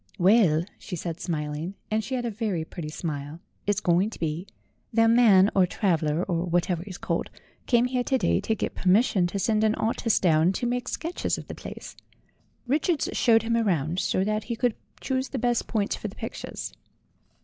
"Well," she said, smiling and she had a very pretty smile "it's going to be. Their man, or traveller, or whatever it's called, came here to day to get permis sion to send an artist down to make sketches of the place. Richards showed him round, so that he could choose the best points for the pictures."